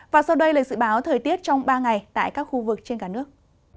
và sau đây là dự báo thời tiết trong ba ngày tại các khu vực trên cả nước